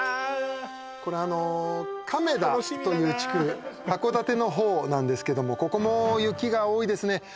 これあの亀田という地区楽しみだな函館の方なんですけどもここも雪が多いですね